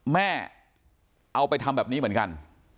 แม่เอาไปทำแบบนี้เหมือนกัน